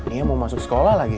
dia mau masuk sekolah lagi